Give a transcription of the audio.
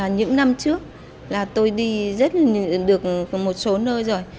những năm trước là tôi đi được một số nơi rồi